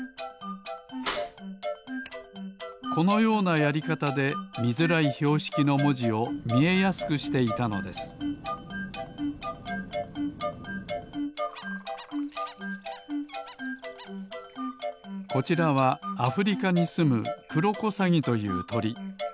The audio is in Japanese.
このようなやりかたでみづらいひょうしきのもじをみえやすくしていたのですこちらはアフリカにすむクロコサギというとり。